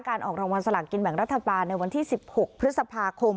ออกรางวัลสลากกินแบ่งรัฐบาลในวันที่๑๖พฤษภาคม